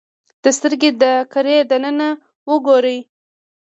د سترګې د کرې دننه وګورئ.